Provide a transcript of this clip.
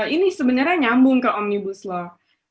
ini sebenarnya nyambung ke omnibus law